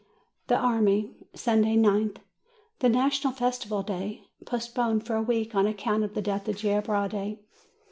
THE ARMY Sunday, nth. The National Festival Day. Postponed for a week on account of the death of Garibaldi.